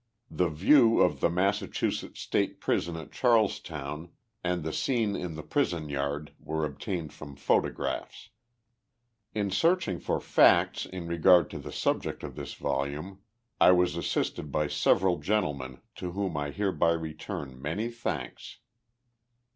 The view of the Massachusetts State Prison at Charlestown and the scene in the prison yard were obtained from photographs. In searching for facts in regard to the subject of this volume I was assisted by several gentlemen to whom I hereby return many thanks.